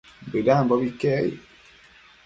Bëdambobi iquec aid